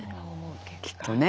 きっとね。